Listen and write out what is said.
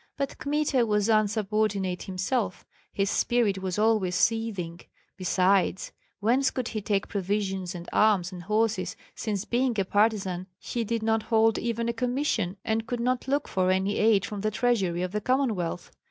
But Kmita was insubordinate himself, his spirit was always seething; besides, whence could he take provisions and arms and horses, since being a partisan he did not hold even a commission, and could not look for any aid from the treasury of the Commonwealth?